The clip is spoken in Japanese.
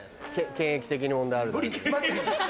検疫的に問題あるけど。